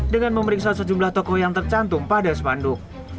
dengan memeriksa sejumlah toko yang tercantum pada spanduk